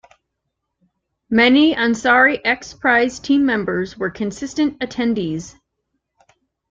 Many Ansari X-Prize team members were consistent attendees.